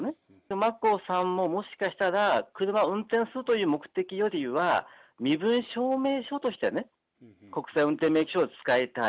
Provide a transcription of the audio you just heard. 眞子さんももしかしたら、車を運転するという目的よりは、身分証明書として、国際運転免許証を使いたい。